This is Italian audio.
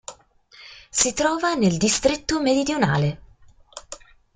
Si trova nel distretto Meridionale.